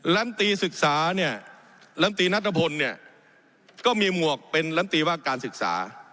ลำตีศึกษาเนี่ยลำตีนัทพลเนี่ยก็มีหมวกเป็นลำตีว่าการศึกษา